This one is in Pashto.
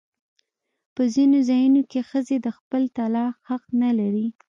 په ځینو ځایونو کې ښځې د خپل طلاق حق نه لري.